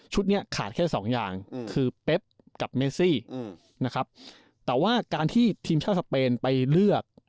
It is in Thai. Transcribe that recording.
เนี่ยขาดแค่สองอย่างคือเป๊บกับเมซี่นะครับแต่ว่าการที่ทีมชาติสเปนไปเลือก